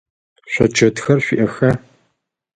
Шъо чэтхэр шъуиӏэха?